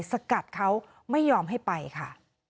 สกัดเขาไม่ยอมให้ไปค่ะ